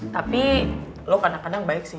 tapi lo kadang kadang baik sih